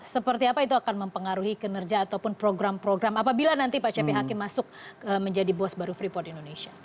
seperti apa itu akan mempengaruhi kinerja ataupun program program apabila nanti pak cepi hakim masuk menjadi bos baru freeport indonesia